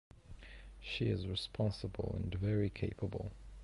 She is responsible and very capable.